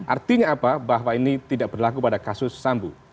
artinya apa bahwa ini tidak berlaku pada kasus sambu